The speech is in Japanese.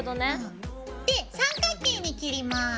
で三角形に切ります。